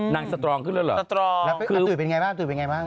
นางสตรองขึ้นแล้วเหรออาตุ๋ยเป็นยังไงบ้าง